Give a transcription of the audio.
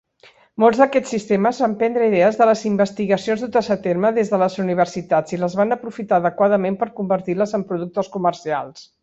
Molts d'aquests sistemes van prendre idees de les investigacions dutes a terme des de les universitats i les van aprofitar adequadament per convertir-les en productes comercials.